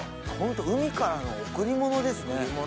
ホント海からの贈り物ですね。